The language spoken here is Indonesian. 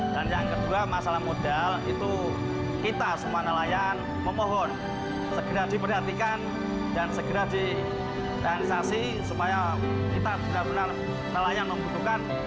dan yang kedua masalah modal itu kita semua nelayan memohon segera diperhatikan dan segera direalisasi supaya kita benar benar nelayan membutuhkan